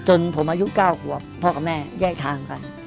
จนผมอายุเก้าหัวพ่อกับแม่แยกทางกัน